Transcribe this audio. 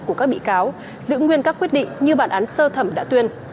của các bị cáo giữ nguyên các quyết định như bản án sơ thẩm đã tuyên